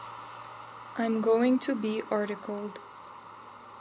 I'm going to be articled.